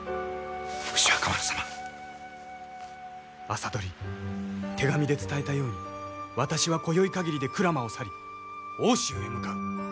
麻鳥手紙で伝えたように私はこよいかぎりで鞍馬を去り奥州へ向かう。